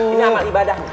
ini amal ibadah